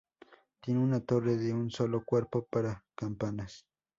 Tiene una torre de un solo cuerpo para campanas.